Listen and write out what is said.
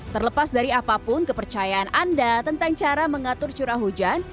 terlepas dari apapun kepercayaan anda tentang cara mengatur curah hujan